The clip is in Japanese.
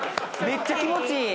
めっちゃ気持ちいい